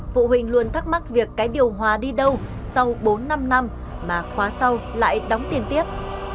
phụ huynh luôn thắc mắc việc cái điều hòa đi đâu sau bốn năm năm mà khóa sau lại đóng tiền tiếp